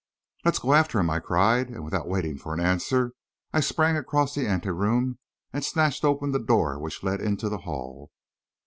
"Let's go after him!" I cried, and, without waiting for an answer, I sprang across the ante room and snatched open the door which led into the hall.